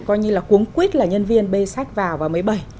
coi như là cuống quyết là nhân viên bê sách vào và mới bày